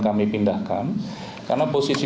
kami pindahkan karena posisi